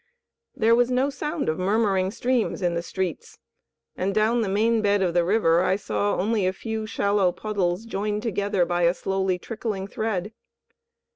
There was no sound of murmuring streams in the streets, and down the main bed of the river I saw only a few shallow puddles, joined together by a slowly trickling thread.